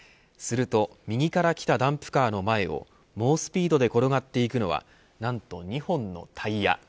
すると右から来たダンプカーの前を猛スピードで転がっていくのはなんと２本のタイヤ。